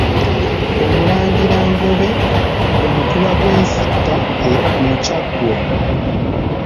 Omulangira Ngobe, Omutuba gw'e Nsiita mu Kyaggwe.